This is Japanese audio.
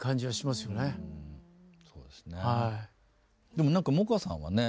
でも何か萌歌さんはね